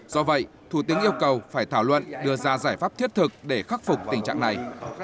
do vậy thủ tướng yêu cầu phải thảo luận đưa ra giải pháp thiết thực để khắc phục tình trạng này